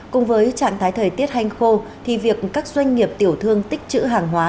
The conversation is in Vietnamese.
cùng với trạng thái thời tiết hanh khô thì việc các doanh nghiệp tiểu thương tích trữ hàng hóa